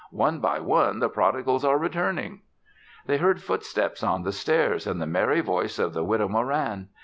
"One by one, the prodigals are returning." They heard footsteps on the stairs and the merry voice of the Widow Moran.